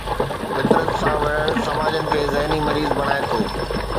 فطرت سان وڙهڻ سماجن کي ذهني مريض بڻائي ٿو.